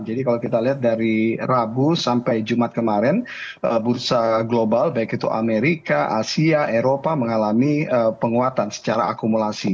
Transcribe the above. jadi kalau kita lihat dari rabu sampai jumat kemarin bursa global baik itu amerika asia eropa mengalami penguatan secara akumulasi